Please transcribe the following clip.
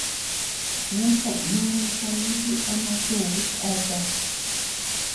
Nomtoʼö yuni kanditi ama tùù cheatea.